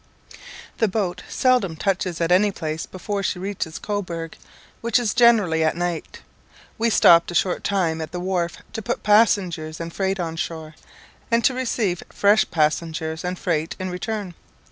The boat seldom touches at any place before she reaches Cobourg, which is generally at night. We stopped a short time at the wharf to put passengers and freight on shore, and to receive fresh passengers and freight in return.